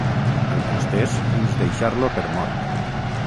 El tustés fins deixar-lo per mort.